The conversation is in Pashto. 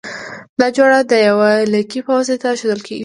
دا جوړه د یوه لیکي په واسطه ښودل کیږی.